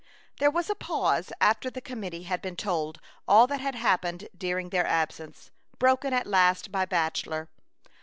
There was a pause after the com mittee had been told all that had hap pened during their absence, broken at last by Bachelor.